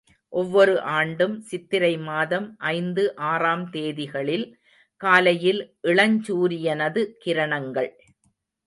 ஒவ்வொரு ஆண்டும் சித்திரை மாதம் ஐந்து ஆறாம் தேதிகளில் காலையில் இளஞ்சூரியனது கிரணங்கள்.